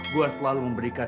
buat main judi